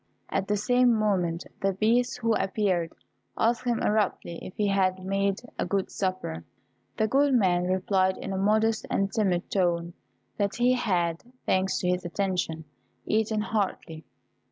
At the same moment, the Beast, who appeared, asked him abruptly if he had made a good supper. The good man replied, in a modest and timid tone, that he had, thanks to his attention, eaten heartily.